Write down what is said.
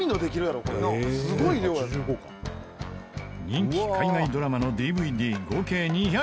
人気海外ドラマのＤＶＤ合計２０１点